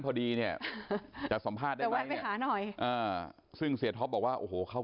ก็ต้องบอกกันเรื่องหน้าหน่อย